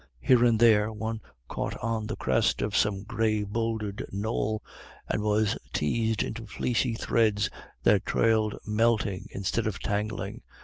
Here and there one caught on the crest of some gray bowldered knoll, and was teazed into fleecy threads that trailed melting instead of tangling.